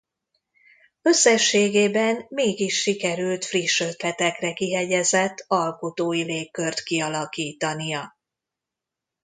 Összességében mégis sikerült friss ötletekre kihegyezett alkotói légkört kialakítania.